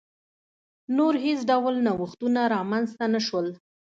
نور هېڅ ډول نوښتونه رامنځته نه شول.